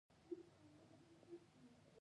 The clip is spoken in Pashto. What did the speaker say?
سیموکې شته دي.